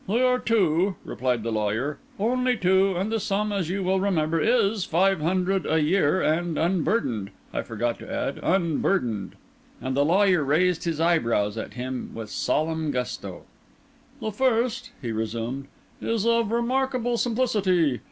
"They are two," replied the lawyer, "only two; and the sum, as you will remember, is five hundred a year—and unburdened, I forgot to add, unburdened." And the lawyer raised his eyebrows at him with solemn gusto. "The first," he resumed, "is of remarkable simplicity.